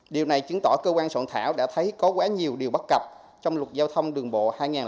điều này chứng tỏ cơ quan soạn thảo đã thấy có quá nhiều điều bắt cập trong luật giao thông đường bộ hai nghìn tám